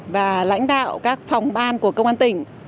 và lãnh đạo các phòng ban của công an tỉnh